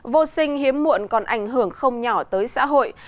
vô sinh hiếm muộn còn ảnh hưởng không nhỏ tới xã hội